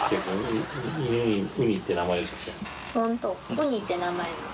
ウニって名前なの？